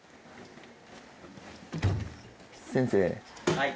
はい。